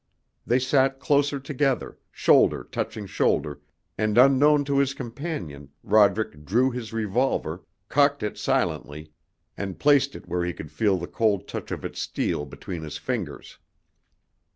They sat closer together, shoulder touching shoulder, and unknown to his companion Roderick drew his revolver, cocked it silently and placed it where he could feel the cold touch of its steel between his fingers.